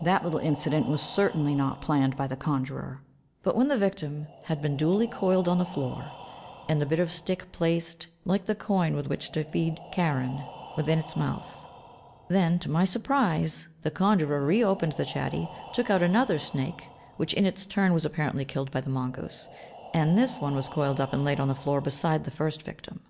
That little incident was certainly not planned by the conjurer; but when the victim had been duly coiled on the floor and the bit of stick placed (like the coin with which to fee Charon) within its mouth, then, to my surprise, the conjurer re opened the chatty, took out another snake, which in its turn was apparently killed by the mongoose, and this one was coiled up and laid on the floor beside the first victim.